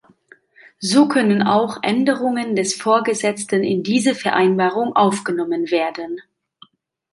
So können auch Änderungen des Vorgesetzten in diese Vereinbarung aufgenommen werden.